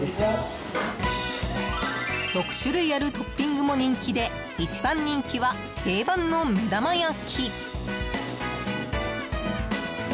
６種類あるトッピングも人気で一番人気は、定番の目玉焼き。